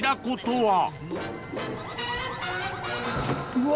うわ。